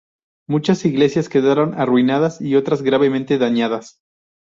Muchas iglesias quedaron arruinadas y otras gravemente dañadas.